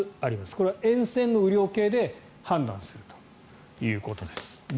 これは沿線の雨量計で判断するということです。